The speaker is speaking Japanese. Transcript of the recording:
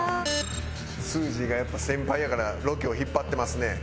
スージーがやっぱ先輩やからロケを引っ張ってますね。